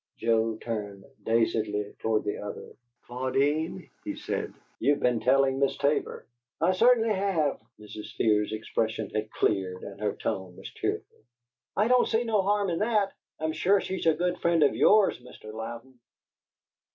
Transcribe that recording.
Joe turned dazedly toward the other. "Claudine," he said, "you've been telling Miss Tabor." "I cert'nly have!" Mrs. Fear's expression had cleared and her tone was cheerful. "I don't see no harm in that! I'm sure she's a good friend of YOURS, Mr. Louden."